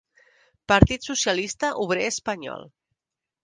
Partit Socialista Obrer Espanyol.